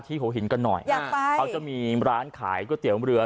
ที่โคนินส์ก็หน่อยจะมีร้านขายก๋วยเตี๋ยวเมือ